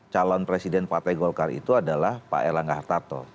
calon presiden patai golkar itu adalah pak erlangga